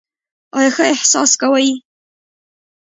ایا ښه احساس کوئ؟